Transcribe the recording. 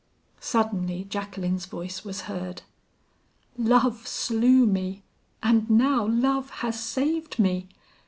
Suddenly Jacqueline's voice was heard. "Love slew me, and now love has saved me!"